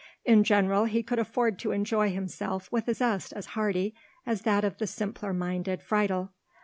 In general he could afford to enjoy himself with a zest as hearty as that of the simpler minded Friedel.